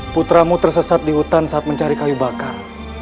putramu tersesat di hutan saat mencari kayu bakar